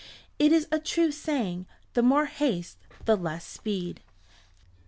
It is a true saying—'the more haste the less speed.